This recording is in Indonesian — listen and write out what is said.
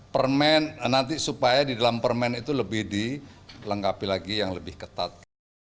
permen nanti supaya di dalam permen itu lebih dilengkapi lagi yang lebih ketat